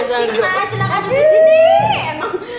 mas silahkan duduk sini